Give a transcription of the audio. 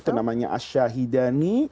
itu namanya asyahidani